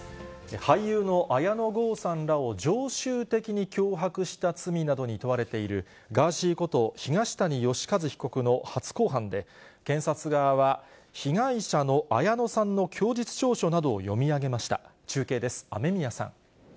俳優の綾野剛さんらを常習的に脅迫した罪などに問われているガーシーこと、東谷義和被告の初公判で、検察側は被害者の綾野さんの供述調書などを読み上げました。